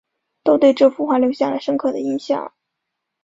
都对这幅画留下了深刻的印象